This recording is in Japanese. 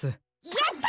やった！